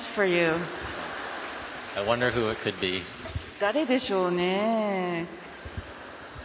誰でしょうね。